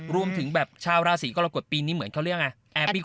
รวมถึงแบบชาวราศีกรกฎปีนี้เหมือนเขาเรียกไง